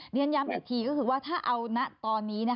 เรียนย้ำอีกทีก็คือว่าถ้าเอานะตอนนี้